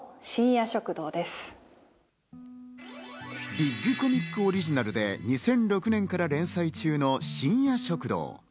『ビッグコミックオリジナル』で２００６年から連載中の『深夜食堂』。